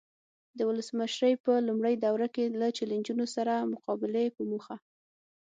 د ولسمشرۍ په لومړۍ دوره کې له چلنجونو سره مقابلې په موخه.